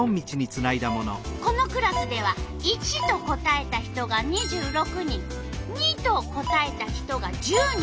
このクラスでは①と答えた人が２６人②と答えた人が１０人。